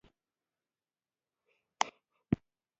قیدونه د فعل پر کېټګوري اغېز کوي.